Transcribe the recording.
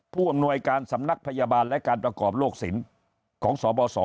ผู้อำนวยการสำนักพยาบาลและการประกอบโลกศิลป์ของสบส